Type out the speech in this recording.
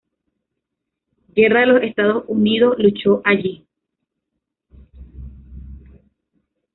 Guerra de los Estados Unidos luchó allí.